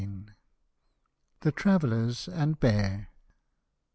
THE TRAVELLERS AND BEAR.